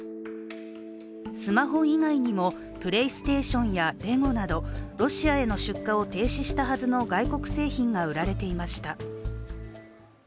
スマホ以外にもプレイステーションやレゴなどロシアへの出荷を停止したはずの外国製品が売られていました。